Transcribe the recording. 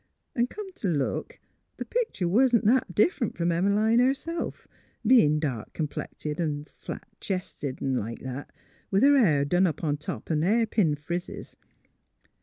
'N' come t' look, the pictur' wa'n't s' differ 'nt f'om Em 'line herself, bein' dark complected an' flat chested, 'n' like that, with her hair done up on top an' hairpin frizzes.